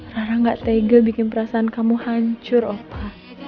rara gak tegel bikin perasaan kamu hancur opa